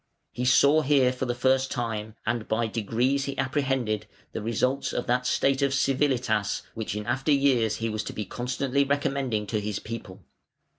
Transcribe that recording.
He saw here for the first time, and by degrees he apprehended, the results of that state of civilitas which in after years he was to be constantly recommending to his people.